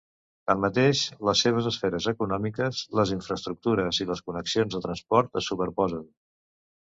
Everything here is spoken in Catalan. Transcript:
Tanmateix, les seves esferes econòmiques, les infraestructures i les connexions de transport es superposen.